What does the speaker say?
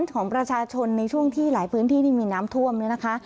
ของประชาชนในช่วงที่หลายพื้นที่นี่มีน้ำท่วมเนี่ยนะคะ